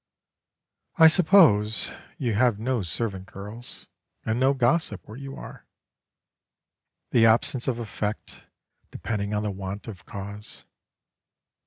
I suppose you have no servant girls and no gossip where you are: the absence of effect depending on the want of cause.